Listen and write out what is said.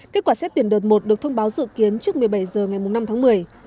kết quả xét tuyển đợt một được thông báo dự kiến trước một mươi bảy h ngày năm tháng một mươi